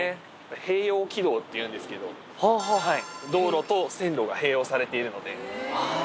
併用軌道っていうんですけど、道路と線路が併用されているので。